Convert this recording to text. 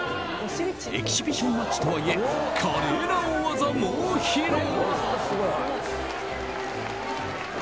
エキシビションマッチとはいえ華麗な大技も披露！